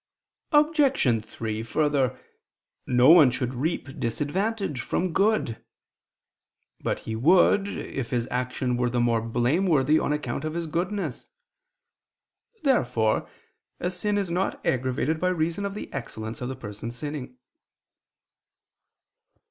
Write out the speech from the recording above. Obj. 3: Further, no one should reap disadvantage from good. But he would, if his action were the more blameworthy on account of his goodness. Therefore a sin is not aggravated by reason of the excellence of the person sinning.